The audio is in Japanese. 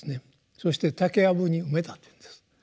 そして竹やぶに埋めたというんです。